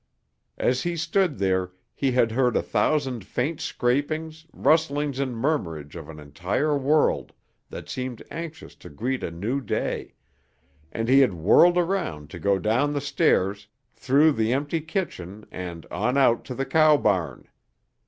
As he stood there, he had heard a thousand faint scrapings, rustlings and murmurings of an entire world that seemed anxious to greet a new day, and he had whirled around to go down the stairs, through the empty kitchen and on out to the cow barn.